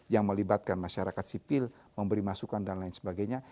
yang melibatkan masyarakat sipil memberi masukan dan lain sebagainya